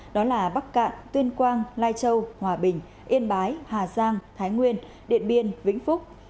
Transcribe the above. đó là bắc cạn tuyên quang lai châu hòa bình yên bái hà giang thái nguyên điện biên vĩnh phúc